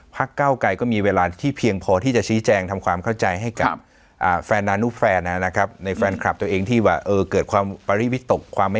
พักเก้าไกลก็มีเวลาที่เพียงพอที่จะชี้แจงทำความเข้าใจให้ทางแฟนนั้นอุปแฟนนะครับในแฟนติดเองที่ว่าเออเกิดความปริดกฎความ